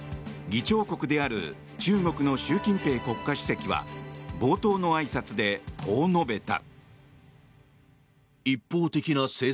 議長国である中国の習近平国家主席は冒頭のあいさつでこう述べた。